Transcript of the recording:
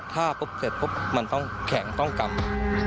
ถ้าเสร็จมันต้องแข็งต้องกลับ